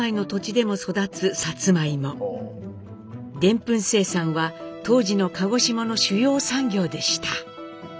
でんぷん生産は当時の鹿児島の主要産業でした。